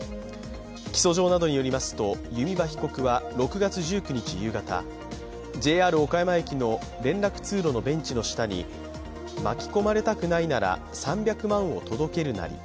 起訴状などによりますと弓場被告は６月１９日夕方、ＪＲ岡山駅の連絡通路のベンチの下に巻き込まれたくないなら３００万を届けるナリ。